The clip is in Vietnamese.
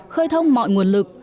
khơi thông mọi nguồn lực